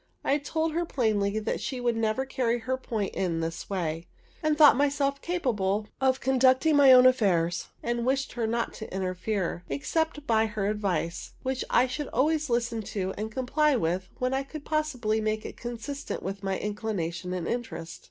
I told her plainly that she would never carry her point in this way; that Thought myself capable of conducting my own affairs, and wished her not to interfere, except by her advice, which I should always listen to and comply with when I could possibly make it consistent with my inclination and interest.